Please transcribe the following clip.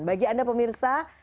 bagi anda pemirsa